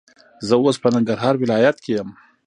زه اوس په ننګرهار ولایت کې یم.